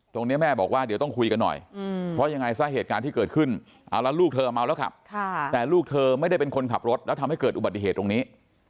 แม่บอกว่าเดี๋ยวต้องคุยกันหน่อยเพราะยังไงซะเหตุการณ์ที่เกิดขึ้นเอาละลูกเธอเมาแล้วขับแต่ลูกเธอไม่ได้เป็นคนขับรถแล้วทำให้เกิดอุบัติเหตุตรงนี้